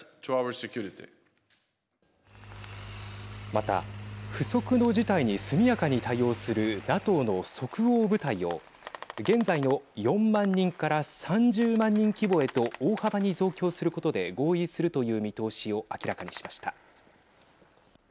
また、不測の事態に速やかに対応するＮＡＴＯの即応部隊を現在の４万人から３０万人規模へと大幅に増強することで合意するという見通しを明らかにしました。